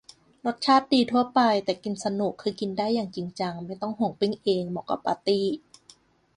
รสชาติดีทั่วไป แต่กินสนุก คือกินได้อย่างจริงจัง ไม่ต้องห่วงปิ้งเอง เหมาะกับปาร์ตี้